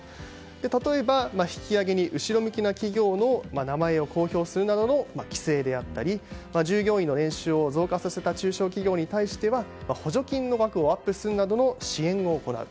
例えば、引き上げに後ろ向きな企業の名前を公表するなどの規制であったり、従業員の年収を増加させた中小企業に対しては補助金の額をアップするなどの支援を行う。